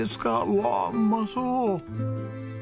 うわうまそう！